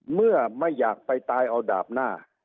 เมื่อไม่อยากไปตายเอาดาบหน้า